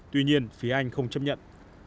tuy nhiên phía anh không chấp nhận